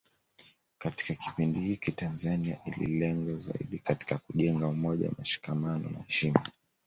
Katika kipindi hiki Tanzania ililenga zaidi katika kujenga umoja mshikamano na heshima